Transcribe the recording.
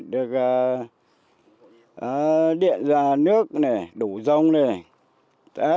được điện ra nước này đủ rong này